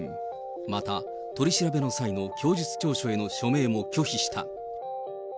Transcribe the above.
また取り調べの際の供述調書への署名も拒否した。